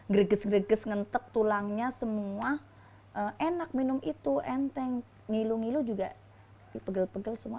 greges greges ngentek tulangnya semua enak minum itu enteng ngilu ngilu juga dipegel pegel semua